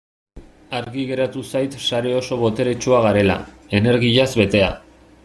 Argi geratu zait sare oso boteretsua garela, energiaz betea.